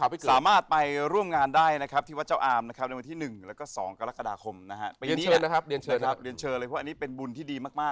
เพราะว่าอันนี้เป็นบุญที่ดีมาก